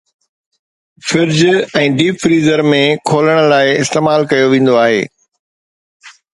fridge ۽ deep freezer وغيره ۾ کولڻ لاءِ استعمال ڪيو ويندو آهي